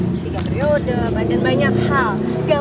tiga periode badan banyak hal